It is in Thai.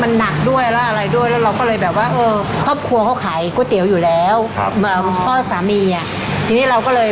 เคยถามอักกรงไหมฮะอักกรงนี่ก็มาจากเมืองจีนเลย